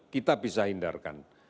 kita bisa hindarkan